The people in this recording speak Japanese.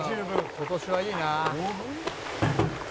「今年はいいな」